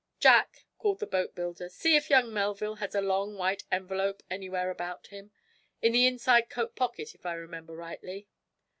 "Jack," called out the boatbuilder, "see if young Melville has a long, white envelope anywhere about him. In the inside coat pocket, if I remember rightly."